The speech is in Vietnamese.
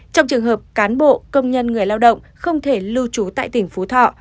trong trường hợp cán bộ công nhân người lao động không thể lưu trú tại tỉnh phú thọ